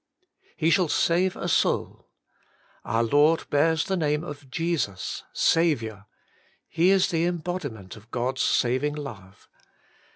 ' He shall save a soul/ Our Lord bears the name of Jesus, Saviour. He is the em bodiment of God's saving love.